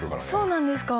そうなんですか。